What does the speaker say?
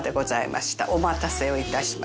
お待たせを致しました。